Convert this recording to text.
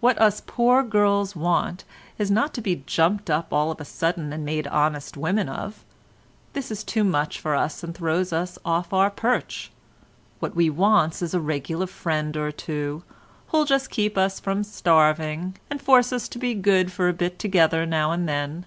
What us poor girls wants is not to be jumped up all of a sudden and made honest women of; this is too much for us and throws us off our perch; what we wants is a regular friend or two, who'll just keep us from starving, and force us to be good for a bit together now and again.